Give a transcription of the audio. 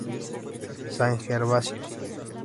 San Gervasio